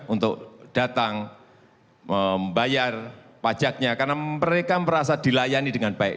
untuk datang membayar pajaknya karena mereka merasa dilayani dengan baik